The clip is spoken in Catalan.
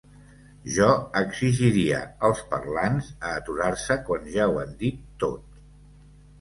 Jo exigiria els parlants a aturar-se quan ja ho han dit tot.